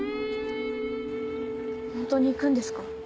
ホントに行くんですか？